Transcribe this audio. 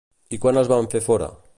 I quan els van fer fora?